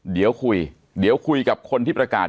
เดี๋ยวคุยกับคนที่ประกาศ